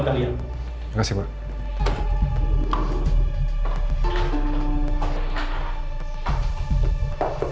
supaya alvin itu bodoh